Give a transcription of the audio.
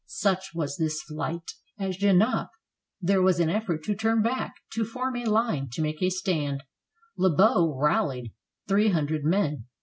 Such was this flight. 383 FRANCE At Genappe there was an effort to turn back, to form a line, to make a stand. Lobau rallied three hundred men.